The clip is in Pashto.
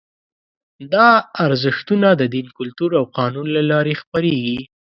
دا ارزښتونه د دین، کلتور او قانون له لارې خپرېږي.